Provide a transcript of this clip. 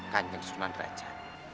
kajik sunan raja